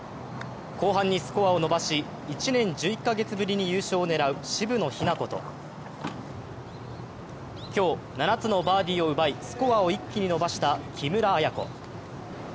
後半にスコアを伸ばし、１年１１カ月ぶりに優勝を狙う渋野日向子と今日、７つのバーディーを奪い、スコアを一気に伸ばした木村彩子。